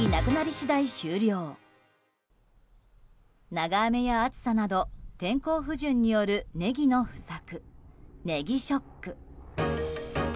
長雨や暑さなど天候不順によるネギの不作ネギショック。